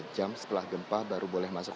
empat jam setelah gempa baru boleh masuk